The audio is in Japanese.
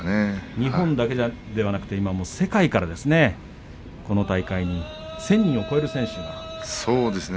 日本だけではなく今、世界からこの大会に１０００人をそうですね。